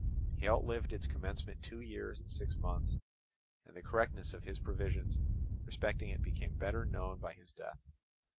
He outlived its commencement two years and six months, and the correctness of his previsions respecting it became better known by his death.